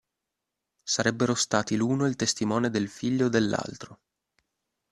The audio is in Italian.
Sarebbero stati l'uno il testimone del figlio dell'altro.